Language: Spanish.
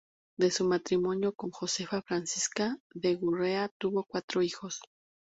De su matrimonio con Josefa Francisca de Gurrea tuvo cuatro hijos.